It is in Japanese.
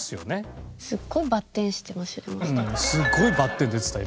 すっごいバッテン出てた